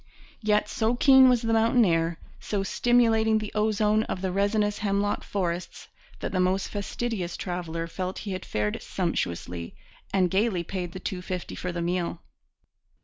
Yet so keen was the mountain air, so stimulating the ozone of the resinous hemlock forests, that the most fastidious traveller felt he had fared sumptuously, and gaily paid the two fifty for the meal.